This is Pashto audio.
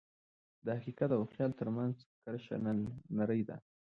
د حقیقت او خیال ترمنځ کرښه نری ده.